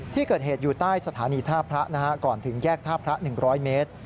ที่เกิดเหตุอยู่ใต้สถานีท่าพระก่อนถึงแยกท่าพระ๑๐๐เมตร